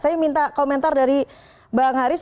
saya minta komentar dari bang haris